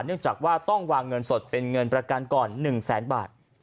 เนื่องจากว่าต้องวางเงินสดเป็นเงินประกันก่อน๑แสนบาท